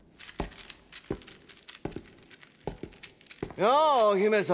ようお姫様。